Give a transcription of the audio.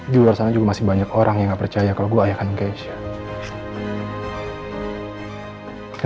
di luar sana juga masih banyak orang yang gak percaya kalau gue ayahkan keisha